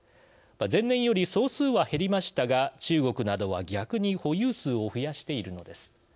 前年より総数は減りましたが中国などは逆に保有数を増やしているのです。